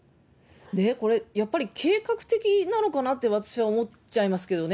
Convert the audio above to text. これ、やっぱり計画的なのかなって、私は思っちゃいますけどね。